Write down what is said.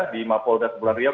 di mapolda pulau riau